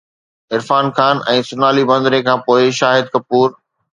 عرفان خان ۽ سونالي بيندري کان پوءِ، شاهد ڪپور